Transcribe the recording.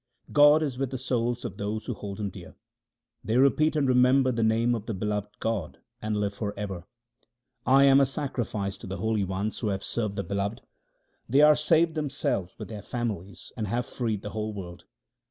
God is with the souls of those who hold Him dear. They repeat and remember the name of the beloved God, and live for ever. 1 am a sacrifice to the holy ones who have served the Beloved. They are saved themselves with their families, and have freed the whole world.